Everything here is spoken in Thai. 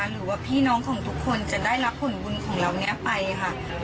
หรือว่าพี่น้องของทุกคนจะได้รับผลบุญของเรานี้ไปค่ะ